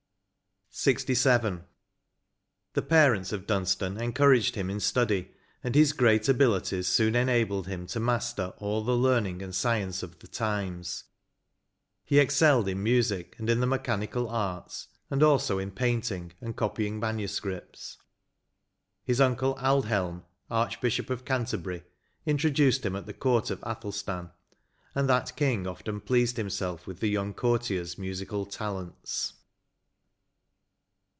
134 LXVII. The parents of Dunstan encouraged him in study, and his great abilities soon enabled him to master all the learning and science of the times; he excelled in music and in the mechanical arts^ ahd also in painting, and copying manuscripts. His uncle Aldhelm, Archbishop of Canterbury, introduced him at the court of Athelstan, and that King often pleased himself with the young courtier's musical talents.